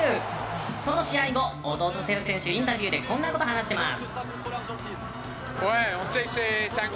その試合後、弟のテオ選手はインタビューでこんなことを話しています。